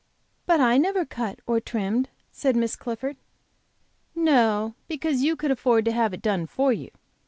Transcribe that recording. "But I never cut or trimmed," said Miss Clifford. "No, because you could afford to have it done for you.